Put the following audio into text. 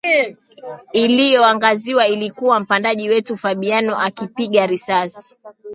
Iliyoangaziwa ilikuwa mpandaji wetu Fabiano akipiga risasi